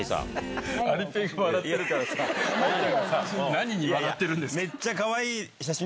何に笑ってるんですか？